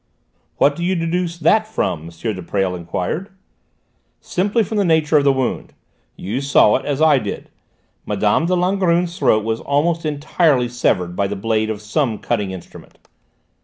"What do you deduce that from?" M. de Presles enquired. "Simply from the nature of the wound. You saw it, as I did. Mme. de Langrune's throat was almost entirely severed by the blade of some cutting instrument.